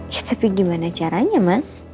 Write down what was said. eh tapi gimana caranya mas